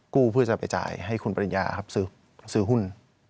เพื่อจะไปจ่ายให้คุณปริญญาครับซื้อหุ้น